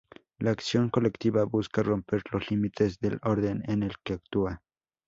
La acción colectiva busca romper los límites del orden en el que actúa.